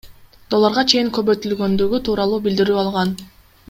долларга чейин көбөйтүлгөндүгү тууралуу билдирүү алган.